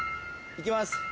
いきます。